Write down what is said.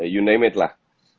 you name it lah